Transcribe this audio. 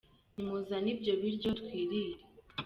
Nimuzane ibyo biryo twirire